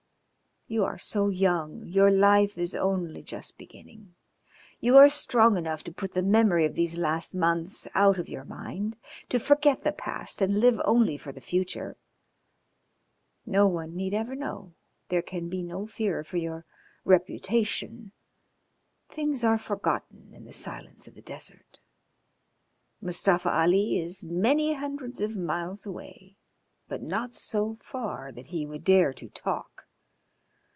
You are so young, your life is only just beginning. You are strong enough to put the memory of these last months out of your mind to forget the past and live only for the future. No one need ever know. There can be no fear for your reputation. Things are forgotten in the silence of the desert. Mustafa Ali is many hundreds of miles away, but not so far that he would dare to talk.